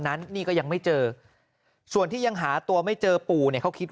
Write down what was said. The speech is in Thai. นั้นนี่ก็ยังไม่เจอส่วนที่ยังหาตัวไม่เจอปู่เนี่ยเขาคิด